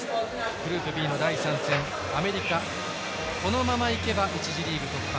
グループＢの第３戦アメリカ、このままいけば１次リーグ突破。